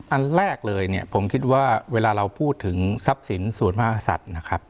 อันแรกเลยเนี่ยผมคิดว่าเวลาเราพูดถึงทรัพย์สินส่วนมากษัตริย์นะครับ